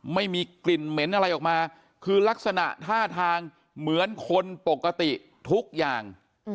ไม่มีกลิ่นเหม็นอะไรออกมาคือลักษณะท่าทางเหมือนคนปกติทุกอย่าง